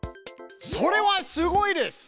それはすごいです！